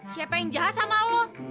siapa yang jahat sama allah